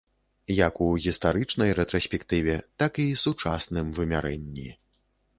Як у гістарычнай рэтраспектыве, так і сучасным вымярэнні.